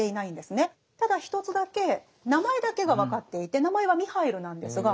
ただ一つだけ名前だけが分かっていて名前はミハイルなんですが。